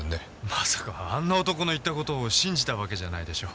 まさかあんな男の言ってる事を信じたわけじゃないでしょう？